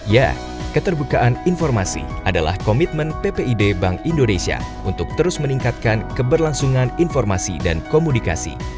ya keterbukaan informasi adalah komitmen ppid bank indonesia untuk terus meningkatkan keberlangsungan informasi dan komunikasi